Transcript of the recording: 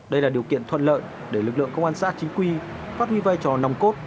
đây là điều kiện thuận lợi để lực lượng công an xã chính quy phát huy vai trò nòng cốt